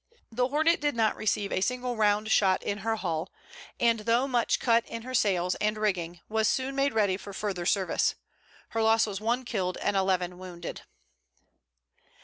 The Hornet did not receive a single round shot in her hull, and though much cut in her sails and rigging was soon made ready for further service. Her loss was one killed and eleven wounded.